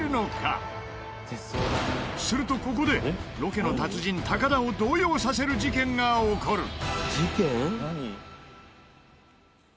するとここでロケの達人高田を動揺させる事件が起こる！事件？